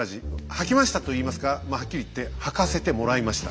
履きましたと言いますかまあはっきり言って履かせてもらいました。